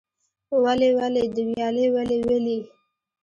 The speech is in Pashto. ولي ولې د ویالې ولې ولې؟